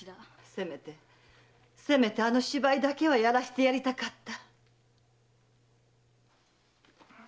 せめてせめてあの芝居だけは演らせてやりたかった！